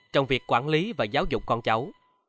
trong việc quản lý và giáo dục con cháu